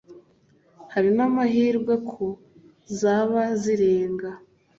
hari n'amahirwe ko zaba zirenga